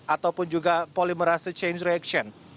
ataupun juga polimerase change reaction